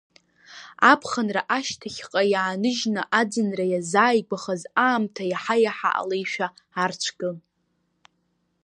Аԥхынра ашьҭахьҟьа иааныжьны, аӡынра иазааигәахаз аамҭа иаҳа-иаҳа алеишәа арцәгьон.